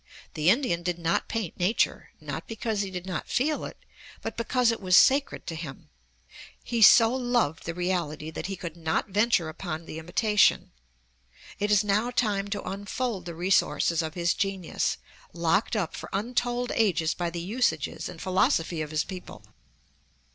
The Indian did not paint nature, not because he did not feel it, but because it was sacred to him. He so loved the reality that he could not venture upon the imitation. It is now time to unfold the resources of his genius, locked up for untold ages by the usages and philosophy of his people.